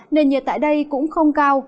nền nhiệt tại đây cũng không cao